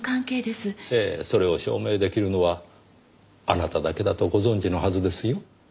ええそれを証明出来るのはあなただけだとご存じのはずですよ。